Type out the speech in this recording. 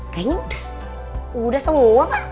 kayaknya udah semua pak